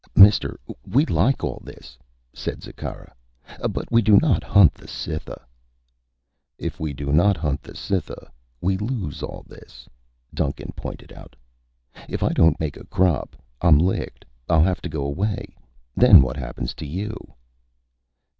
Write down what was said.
"Mister, we like all this," said Zikkara, "but we do not hunt the Cytha." "If we do not hunt the Cytha, we lose all this," Duncan pointed out. "If I don't make a crop, I'm licked. I'll have to go away. Then what happens to you?"